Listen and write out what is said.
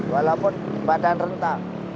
walaupun badan rentah